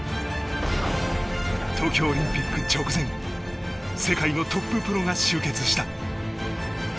東京オリンピック直前世界のトッププロが集結した。